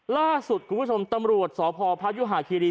ล่าสุดคุณผู้ชมตำรวจสพพยุหาคีรี